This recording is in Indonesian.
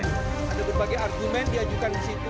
ada berbagai argumen diajukan di situ